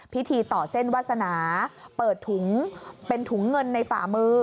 พิธีต่อเส้นวาสนาเปิดถุงเป็นถุงเงินในฝ่ามือ